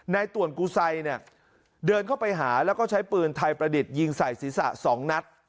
ต่วนกูไซเนี่ยเดินเข้าไปหาแล้วก็ใช้ปืนไทยประดิษฐ์ยิงใส่ศีรษะ๒นัด